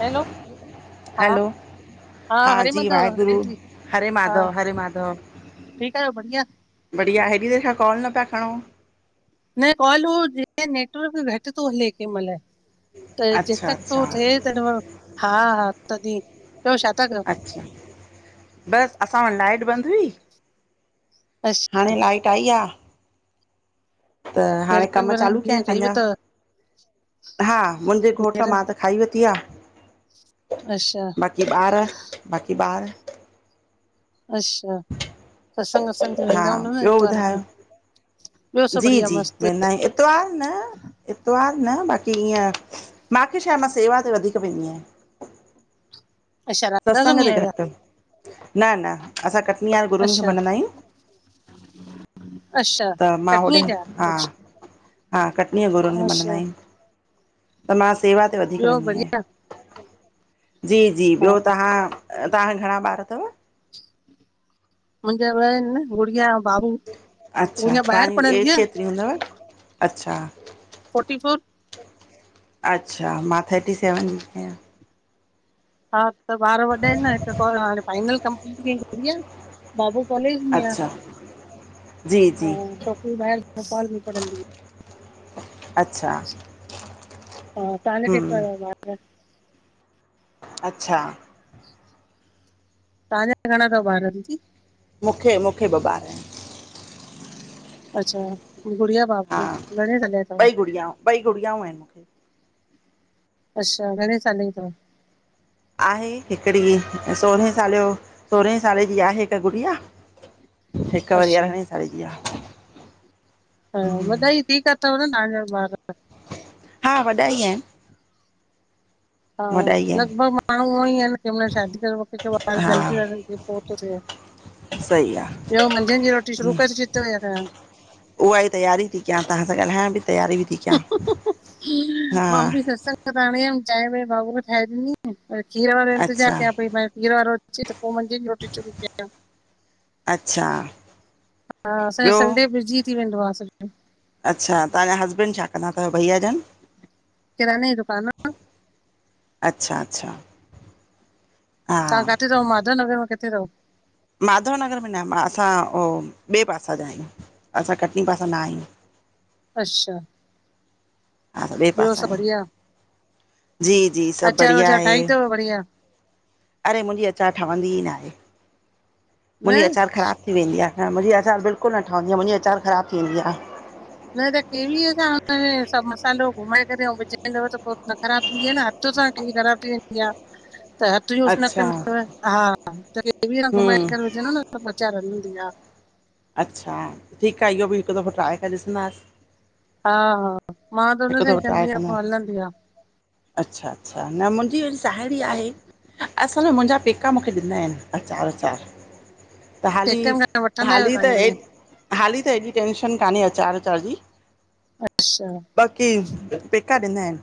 Hello हा, hello हा, हरे जी माधव वाहेगुरु दीदी हरे हा माधव हरे माधव ठीकु आयो, बढिया बढ़िया हेॾी देरि खां कॉल न पया खणो? न कॉल उ नेटवर्क घट थो हले कंहिं महिल। त जेसि अच्छा तक थो अच्छा थिए त हा, हा तॾहिं ॿियो छा था कयो? बस, असां वट लाइट बंद हुई अछ हाणे लाइट आई आ। त हाणे नेरन कम चालू वेरन कया आहिन खाई पंहिंजा। वतव हा, मुंहिंजे घोट नेरन मां त खाई वरती आ। अच्छा बाक़ी ॿार बाक़ी ॿार अच्छा, सत्संग वतसंग ते हा वेंदा हूंदा न ॿियो आतवार ॾींहुं? ॿुधायो ॿियो सभु जी बढ़िया जी मस्तु वेंदा आहिय इतवार न इतवार न बाक़ी ईअं माखे छा, मां सेवा ते वधीक वेंदी आहियां। अच्छा राधा सत्संग स्वामी ते आहिया घटि, न न असां कटनी वारे गुरून खे अच्छा मञंदा आहियूं। अच्छा त मां होॾे, कटनीअ जा हा अच्छा हा कटनीअ गुरून खे मञंदा अच्छा आहिन, त मां सेवा ते वधीक ॿियो वेंदी आहियां। बढ़िया जी, जी हा ॿियो तव्हां तव्हांखे घणा ॿार तव? मुंहिं जा ॿ आहिन न गुड़िया अव अच्छा तव्हांजी एज आहे केतिरी हूंदव, अच्छा फोटी फोर अच्छा मां थर्टी सेवन [unintelligible] आहियां। हा त ॿार वॾा आहिन न हिकु हाणे फाइनल कपलीट कयइ गुड़िया। बाबू कॉलेज में आ। अच्छा जी जी ऐं छोकिरी ॿाहिर नेपाल में पढ़ंदी आ। अच्छा तव्हा जा हम्म केतरा तव [unintelligible] अच्छा। तव्हांजा घणा थव ॿार दींदी? मूंखे, मूंखे ॿ ॿार आहिन। अच्छा गुड़िया हा, बाबू घणे साले जा तव ॿई गुड़ियाउ, ॿई गुड़ियाउ आहिन। अछा, घणे सालें जी तव? आहे, हिकड़ी सोरहें साले जो, सोरहें साले जी आहे हिक गुड़िया। हीक वरी अच्छा अरहणे साले जी आ। हा, मत्लब ही ॿी त अथव न तवहांजा ॿार। हा, वॾा ई एन। हा, ई आहिनि लगभग माण्हूं उअईं आन, कंहिं महिल शादी कर, पो कैंखे ॿार हा जल्दी ता थियन। कैंखे पो तो थे, सही आ, ॿयो मंझंन जी रोटी शुरू करे छॾी तव छा करण? उआई तैयारी ती क्यां, तहां सां ॻाल्हया बि तैयारी बि ती क्यां। मां भी सत्संग मां खुद हाणे आयम, चांयं वांयं बाबू खे ठाहे ॾिनी, खीर वारे जो इंतज़ार अच्छा क्यां पई, मा च्यो खीर वारो अचे त पो, मंझंद जी रोटी शुरू कयां। अच्छा हा, असांजो ॿियो संडे बिजी थी वेंदो आ, सॼो। अच्छा, तहांजा हसबैंड छा कंदा तव, भइया जन? किराने जी दुकान आ। अच्छा अच्छा हा तहां काथे रहो, माधवनगर में किथे रहो? माधव नगर में न, मां असां ॿे पासा जा आयूं। असां कटनी पासां न आयूं। अछा हा, त ॿे पासा आयूं, बढ़िया जी जी सभ अचार बढ़िया वचार आहे। ठाही अथव बढ़िया अरे! मुंजी आचार ठवंदी ई नाहे, न मुंजी आचार ख़राब थी वेंदी आ, हा मुंजी आचार बिल्कुल न ठवंदी आ, मुंजी आचार ख़राब थी वेंदी आ। न त केवीअ सां करे, सभ मसालो घुमाए करे, औं विझंदव त पो न ख़राब थींदी आ न, हथ सां कैंजी ख़राब थी वेंदी आ, हथ यूज़ न अच्छा कंदव, हा, त केवीअ सा हम्म घुमाए विझंदव न त, आचार हलंदी आ। अच्छा, ठीक आ, इहो बि हिक दफ़ो ट्राय करे ॾिसंदास। हा हा, मां त हुन हिकु दफ़ो सांई ट्राए कंदी आयां, कंदा पो हलंदी आ। अच्छा अच्छा, न मुंजी वरी साहिड़ी आहे असल में मुंजा पेका मूखे ॾींदा एन, आचार वचार। त, हाली, पेकनि खां वठंदा आहियो हाली तव्हां त याने हाली त एॾी टेंशन कान्हें अचार वचार जी। अच्छा बाक़ी पेका ॾींदा एन,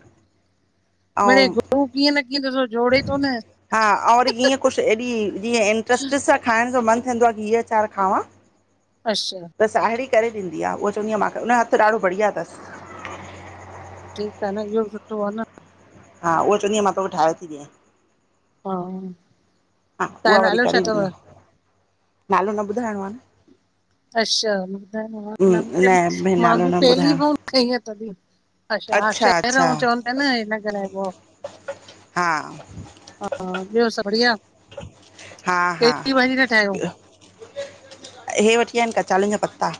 मिड़े अऊं गुरू कीअं न कीअं ॾिसो जोड़े थो न। हा, और ईंअं कुछ एॾी जीएं इंट्रस्ट सां खाइण ज़ो मन थींदो आ, हीअ अचार खावां। अछा त साहिड़ी करे ॾीदी आ, उह चवंदी आ मां करे, हुन जो हथ ॾाढो बढ़िया तस। ठीक आ न, इहो बि सुठो आ न। हा, उह चवंदीआ मां तोखे ठाए थी ॾियइं। हा हा, तव्हां उहा वरी नालो छा करे अथव? ॾींदी आ, नालो न ॿुधाइणो आ न। अछा, ॿुधायो न मूंखे, भेण मां नालो बि न पहली ॿुधायो बार खईं आ तॾी। अछा, हा अच्छा शहर अच्छा औं चवन प्या न हे न ॻाल्हायबो। हा हा ॿियो सब बढ़िया, कहिड़ी भाॼी ता ठाहियो? इहे वठी आहियां आहिन कचालुनि जा पत्ता।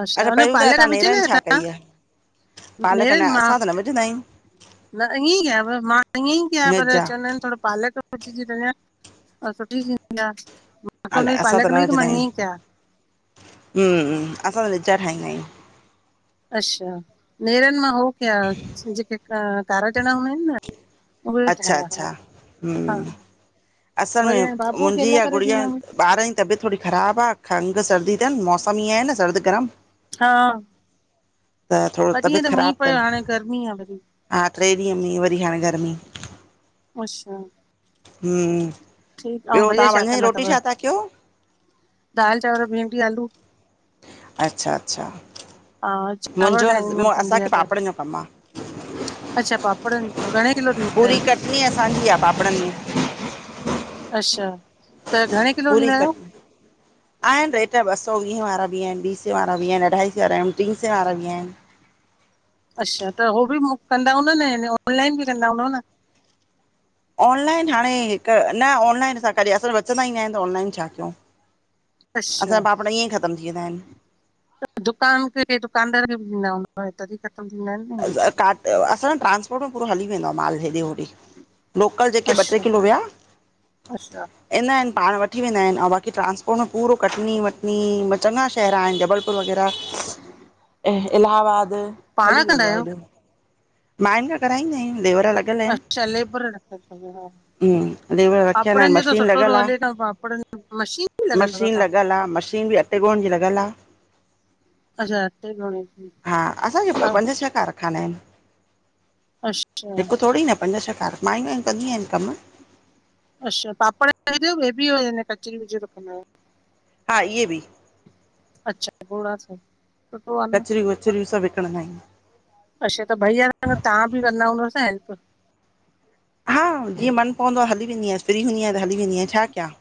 अच्छा हुन पहिरीं ॿुधायो प्ाले खां तव्हां पिच नेरनि न आ छा कई आहे त पालक नर न मां असां [unintelligible] त न विझंदा आहियूं न ईअं ई कयव मां ईअं ई कया पर निजा चवंदा आहिनि थोड़ो पालक सुठी थींदी आ, मूंखे अलाए हुनजी असां पालक में ई त मां ईअं ई कया [unintelligible] हां हां असां त निजा ठाहींदा आहियूं। अच्छा नेरनि मां हो कया जेके कारा चणा हूंदा आहिनि न। उहे अच्छा ठाहिया अच्छा हुया। हम्म असल में मुंजी इहा गुड़िया ॾिनम ॿारनि जी तबियत थोरी ख़राबु आ खंघु सर्दी तनि मौसम ईअं आहे न सर्दु गरमु। हा। त थोरो ॿ ॾींहं तबियत त मींहुं ख़राबु पियो तनि, हाणे गर्मी आ वरी हा टे ॾींहं में वरी हाणे गरमी। अच्छा। ठीकु ऐं ॿियो भैया तहां छा मंझद जी कंदा रोटी तव छा था कयो? दाल, चांवर, भिंडी, आलू। अच्छा -अच्छा, हा चांवर मुंहिंजो ठाहींदमि संडे जा असांखे त पापड़नि जो कमु आ। अच्छा पापड़नि जो घणे किलो ॾींदा आयो? ई असांजी आ पापड़नि में। अच्छा, त घणे किलो पूरी ॾींदा कट आहियो आहिनि रेट ॿ सौ वीह वारा बि आहिनि ॿी सें वारा बि आहिनि अढाई सौ वारा टी सौ वारा बि आहिनि। अच्छा त हो बि कंदा हूंदा न ऑनलाइन बि कंदा हूंदव न? ऑनलाइन हाणे हिकु न ऑनलाइन असां कॾहिं असर बचंदा ई न आहिनि त ऑनलाइन छा कयूं। असां अच्छा जा पापड़ ईअं ई ख़तमु थी वेंदा आहिनि। दुकान ते ॾे दुकानदार खे बि ॾींदा हूंदव तॾी ख़तमु थींदा आहिनि। [unintelligible] न असांज ट्रांस्पोर्ट में पूरो हली वेंदो आ माल हेॾे होॾे। लोकल जेके ॿ टे अच्छा किलो विया। अच्छा ईंदा आहिनि पाण वठी वेंदा आहिनि ऐं बाक़ी ट्रांस्पोर्ट में पूरो कटनी वटनी चङा शहर आहिनि जबल पुर वग़ैरह ऐं इलाहाबाद। पाण कंदा आहियो? मायूंनि खां कराईंदा आहियूं लेवर लॻ अच्छा लेबर रखिया तव। लेवर रखियल आहिनि पापड़नि जो त मशीन सुठो लॻियल थो आ, हले न पापड़नि मशीन बि लॻल अथव मशीन पापड़ लॻियल आ मशीन बि अच अच्छा अटे ॻोहण जी हसांंजहक [unintelligible] खाना आहिनि। अच्छा। हिकु थोरी न पंज छह कार, मायूं आहिन कंदियूं आहिनि कम। अच्छा पापड़ [unintelligible] बि कचरी वचरियूं रखंदा आहियो? हा इहे बि। अच्छा धोड़ा सां। कचरियूं वचरियूं सभु विकणंदा आहियूं। अच्छा त ॿई आह न तव्हां बि कंदा हूंदव न हेल्प? हा जीअं मन पवंदो आ हली वेंदी आहियां, फ्री हूंदी आयां त हली वेंदी आयां छा कया।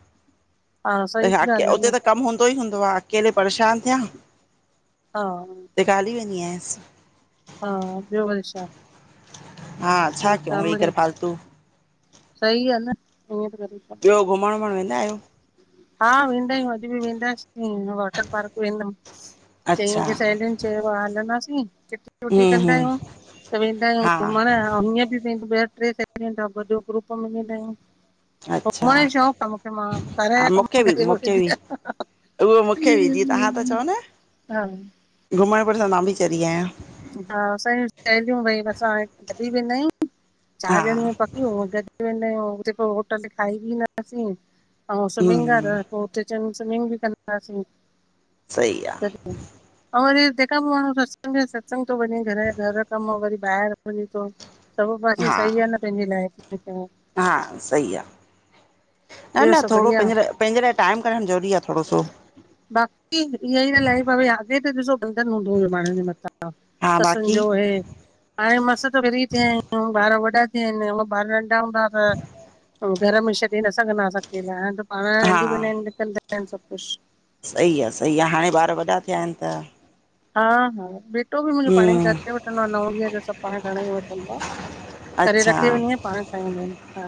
हा सही ॻाल्हि आहे उते न त कमु हूंदो ई हूंदो आअकेले परेशान थिया। हा तंहिंखां हली वेंदी आयासि। हा, ॿियो वरी छा हा छा ठीक आ कयूं वेही मिणई करे फालतू सही आ न, ईंयं बि [unintelligible] ॿियो, घुमंण वुमंण वेंदा आहियो? हा वेंदा आहियूं, अॼु बि वेंदासीं वॉटर पार्क वेंदमि चईं अच्छा वॻे सहेलियुन चयो आ हलंदासीं, किटी -वुटी हम्म कंदा हम्म आहियूं त वेंदा आहियूं हा घुमंण। अंउं हीअं बि वेंद ॿ ट्रे सहेलियूं इनि त गॾु ग्रुप में वेंदा आहियंउं। अच्छा घुमंण जो शौक़ आ मुखे मां घर हा या कम मूंखे बि करे मूंखे वठंदी बि आहियां, उहो मूंखे बि जीअं हा। घुमंण -फिरण सां मां बि चरी आहियां। हा असांयू सहेलियूं भई असां हाणे गॾुई वेंदा आहियूं, चार हा ॼणियूं आहियंउ पक्की पक्कियूं, गॾु वेंदा आहियंउ, हुते पो होटल खाई बि ईंदासीं अंउं स्विमिंग कर हम्म पो हुते चंञीं स्विमिंग बि कंदासीं। सही आ। अंउं वरी तेखा पो माण्हूँ सत्संग बि आ, सत्संग तो वंञें घर जा घर कम वरी ॿाहिरि। वंञे तो सभु पासे हा सही आ न पंहिंजे लाइफ में त। हा सही आ न ॿियो न सभु थोड़ो बढ़िया पंहिंजे लाए, पंहिंजे लाए टाइम कढणु ज़रूरी आ थोड़ो सो बाक़ी ईअंई त लाइफ भई अॻे याद ती अचे ॾिसो बंधन हूंदो हुयो माण्हुनि जे मथां। हा ससुनि बाक़ी जो हे। हाणें मस् त फ्री थिया आहियूं, ॿार वॾा थिया हिनि हुअं ॿार नंढा हूंदा हा त घर में छॾे न सघंदा हास अकेला, हाणे त पाण हली हा बि वेंदा हिन कंदा हिन सब् कुछ। सही आ सही आ हाणे ॿार वॾा थिया हिनि त हा हा बेटो बि मुंजो पांणई हम्म करे वठंदो आ न हुंदी आहियां त सभु पाण खण ई वठंदो आ करे अच्छा रखी वेंदी आहिया, पांण खणंदा इनि हा।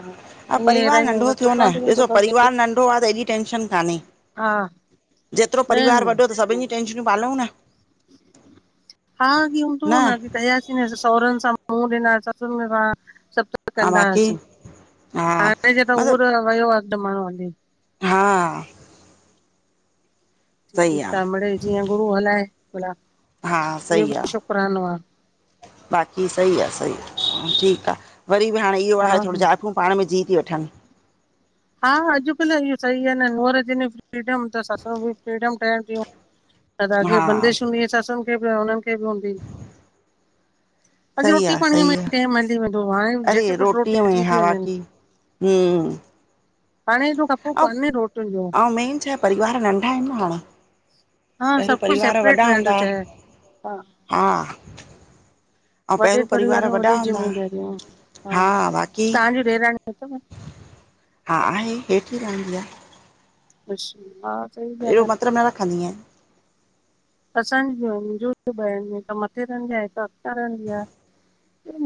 हा ईअं अहिड़ा परिवार ई नंढो थियो न, दुकान ॾिसो ते परिवार नंढो आ त एॾी टेंशन कान्हे। हा जेतिरो न परिवार वॾो त न सभिन जी टेंशनयूं पालऊ न। हा अॻे हुंदो हो न अॻे कयासी ॾिसु सहुरनि सां मुंहुं ॾिना ससुन सां सभ् हा कंदा बाक़ी हासीं, हा हाणे जे त उहो मतिलब त वयो आ ज़मानो हली। हा। ठीकु आ मिड़ई जीअं गुरू हलाए भला। हा इहो सही आ, बि शुकरानो आहे बाक़ी सही आ सही आ ठीक आ वरी बि हाणे इह्यो आहे हा थोड़ो जाहिफूं पांण में जीउ तियूं वठनि। हा अुकल्ह इह्यो सही आ नुहर जनि फ्रीडम त ससु बि फ्रीडम ठहनि तियूं। न त अॻे हा बंदिश हूंदी ससुनि खे बि अंउं हुननि खे बि हूंदी ही। अॻे सही आ रोटीअ पांणीअ में सही आ। टाइम हली वेंदो हो हांणे झट अरे पटु रोटी रोटीअ में थी ती हा वंञंनि। बाक़ी हम्म। हाणें एॾो खपो कोन्हे रोटियुनि जो। अंउं मेन छा हे परिवार नंढा हिनि हाणें। हा पहिरियूं सभु कुझु परिवार सेपरेट वॾा रहण थो हूंदा चाहे हा, हा। अंउं वॾे पहिरियूं परिवार में वॾा वॾी हूंदा हा, ज़िमेदारियूं हा बाक़ी तव्हांजी ॾेराणी अथव? हा आहे हेठि ही रहंदी आ। अच्छा। अहिड़ो मतिलब न रखंदी एं। असांजी मुंहिंजो ॿ [unintelligible] हिक मथे रहन्दी आ हिक क रहन्दी आ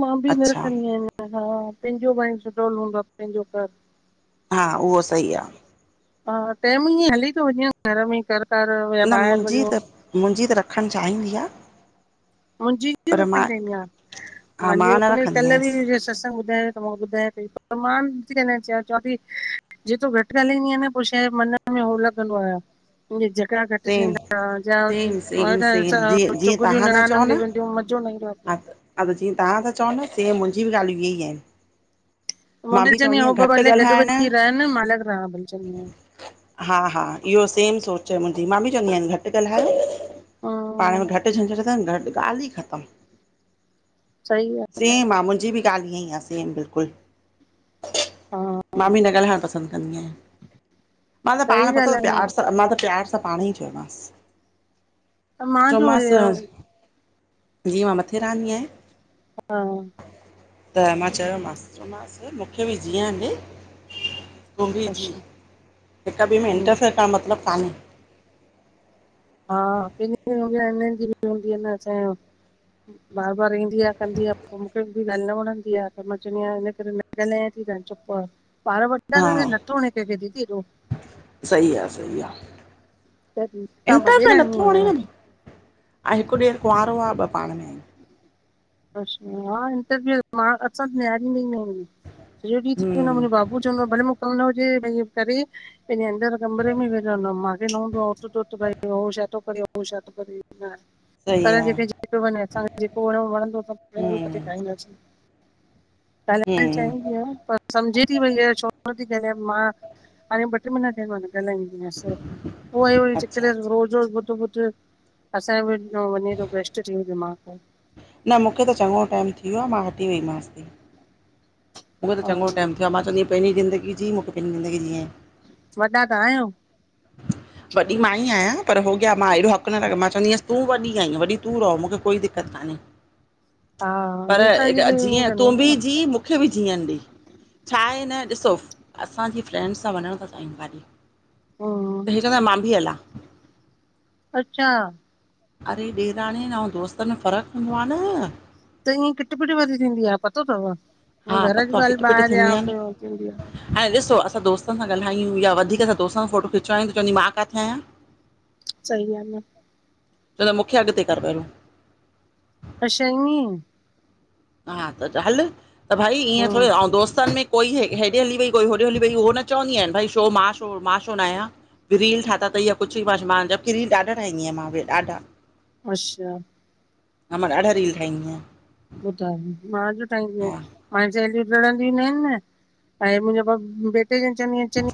मां बि न अच्छा रखंदी आहिन। त हा पंहिंजो घर सुठो हूंदो पंहिंजो घर। हा उहो सही आ। हा टेम इय हली थो वञे घर में कर कर या न ॿाहिर मुंहिंजी वञो। त मुंहिंजी त रखण चाहींदी आ। मुंहिंजी भी पर मां रखंदी हुई हा हा मांजे मां न घर में रखंदी कल्ह बि आयसि मुंहिंजे सत्संग ॿुधायो। त मां ॿुधायां पई पर मां नथी ॻालयड़ चाया चवां ती जेतो घट ॻाल्हाईंदी आहियां न पो शाए मन में हो लॻंदो आ। झॻड़ा घट सेम थींदा सेम सेम सेम जा जीअं जीअं चुगलियूं तव्हां था चओ निराणन न जैमे मजो न ईंदो आ। हा त हा त जीअं तव्हां त चओ न तीअ मिंजी भी ॻाल्हियूं इहे ई आहिन। मां भी चवंदी आया हो ॿ घटि भले गॾ ॻाल्हाइण वञी रहन मां अलग रहा भई हा हा इहो सेम सोच आ मुंहिंजी मां बि चवंदी आहिन घट घट ॻाल्हायो हा पाण में घट झंझट थ्यन घट ॻाल्हि ई ख़तम। सही आ। न सेम आ मुंहिंजी बि ॻाल्हि ईअं ई आहे सेम बिल्कुल हा मां बि न ॻाल्हाएड़ पसन्द कम कंदी आयां मां त पाण सही पतो ॻाल्हि आ न प्यार सां मां त प्यार प सां पाण ई चोमास त मां जो चोमास हुयो जीय हुनखे थिरानी आए। हा त मां चयोमांस चयोमांस मूंखे बि जीयड़ ॾे। तूं भी जी अच्छा हिक ॿिए में हूं, इंटरफेयर करण मतलब कान्हे। हा [unintelligible] बार बार ईंदी आ कंदी आ पो मूंखे बि ॻाल्हि न वणंदी आ पो मां चंवदी आहियां ईने करे। ॻालायती त हाड़ चुप आ ॿार वॾा त नथो वणे केखे दीदी। सी आ सही आ। त तव्हां इंटर फेयर वॾेराणी नथो आहियो वणे न ऐं हिक ॾेर कुंवारो आ ॿ पाण में आहिन। अछा हा इंटर फेयर मां असां नियारी में ई नी सॼो ॾीं थी वेंदो हम्म मुंहिंजे बाबू बु चवंदो आ भले मूंखे कम न हुजे भई इय करे। पंहिंजे अंदर कमरे में वेठा हूंदो मांखे न हूंदो आ हुत भ हू छा थो करे हो छा थो करे। सही पर आ, जेके जेको वड़े असांखे जेको वणों वणंदो हम्म [unintelligible] खाईंदासीं। ॻालएड़ हम्म, चाइंदी आ। समझे ती वई इय छो न थी ॻाल्हायां मां हाणे ॿ टे महीना थिया मां न ॻाल्हाईंदी आया। अच्छा अच्छा [unintelligible] रोज़ ॿुध ॿुध असांयो बि वञे थो वेस्ट थी दिमाग़। न मूंखे त चॻो टाइम थी वियो आहे मां हटी वईमांस थी। मूंखे त चॻो ऐं टाइम थियो आहे मां चवंदी आया पंहिंजी ज़िंदगी जी मूंखे पंहिंजी ज़िंदगी जीयड़ ॾे। वॾा तां आहियो? [inaudible] वॾी मां ई आहियां पर होॻिया मां एॾो हक़ न लॻ मां चवंदीयास तूं वॾी आहीं वॾी तू रओ मूंखे कोई दिक़त कान्हे। हा पर हे असांजी बि ईअं जीअं तूं कंदा आहिनि बि न जी मु खे बि जीअन ॾे छा आहे न ॾिसो असांजी फ्रैड्स सां वञण था चाहिन भाॼी हम्म हिय चवंदव मां भी हला। अच्छा! अरे ॾेराणीनं अंउ दोस्तन में फ़र्क़ु पंदो आ न! त ईअं किट पिट वरी थींदी आहे पतो थव, हा घर पतो जी आ ॻाल्हि किट पिट ॿाहिर या थींदी आहिनि थींदी आ। हाणे ॾिसो असां दोस्तनि सां ॻाल्हायूं या वधिक ता दोस्तन सां फ़ोटो खिचारांयूं त चवंदी मां किथे आयां। सही लॻा आ। छो त मूंखेअॻिते कर पहिरियों। अ श ईी [unintelligible] हा त हलु त भई ईअं हम्म थोङे, ऐं दोस्तन में कोई हेॾे हली वई, कोई होॾे हली वई, उहो न चवंदी आहिन भई छो मां, छो मां छो न आयां। रील ठाता थई, त ईहा कुछु मां जब कि रील ॾाढा ठाहंदी आहियां बई ॾाढा। अच्छा हा मां ॾाढा रील ठा इंदी आंयां। ॿुधायो, मां जो ठाहिंदी आहयां, मां चयो सहेलियूं लड़ंदिय न आहिन। [unintelligible] ऐं मुंहिंजे ब बेटे खे चंवंदी आंयां